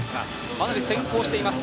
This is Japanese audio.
かなり先行しています。